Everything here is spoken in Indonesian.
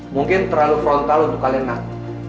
mungkin terlalu frontal untuk kalian ngalamin